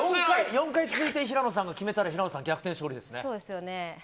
４回続いて平野さんが決めれば平野さん、逆転勝利ですね。